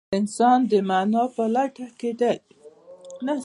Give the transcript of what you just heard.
هر انسان د مانا په لټه کې دی.